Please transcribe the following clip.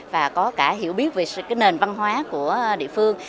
và có cả hiểu biết về cái nền văn hóa của địa phương